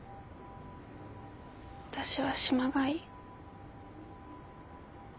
私は島がいい。